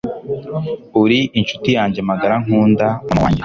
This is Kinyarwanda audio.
uri inshuti yanjye magara nkunda mama wanjye